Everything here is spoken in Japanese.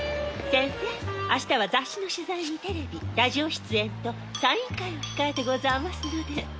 センセ明日は雑誌の取材にテレビラジオ出演とサイン会を控えてござあますので。